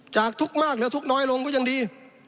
ทุกข์มากหรือทุกข์น้อยลงก็ยังดี